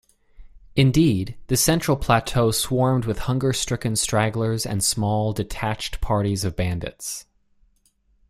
Indeed, the Central Plateau swarmed with hunger-stricken stragglers and small, detached parties of bandits.